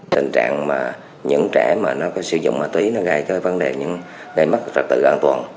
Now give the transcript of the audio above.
tình trạng mà những trẻ mà nó có sử dụng ma túy nó gây vấn đề những gây mất trật tự an toàn